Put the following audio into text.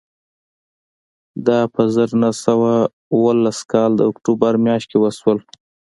دا په زر نه سوه اوولس کال د اکتوبر میاشت کې وشول